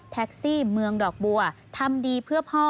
ซี่เมืองดอกบัวทำดีเพื่อพ่อ